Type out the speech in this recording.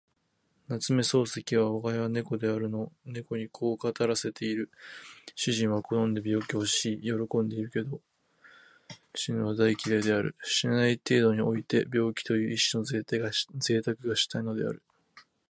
夏目漱石は吾輩は猫であるの猫にこう語らせている。主人は好んで病気をし喜んでいるけど、死ぬのは大嫌いである。死なない程度において病気という一種の贅沢がしたいのである。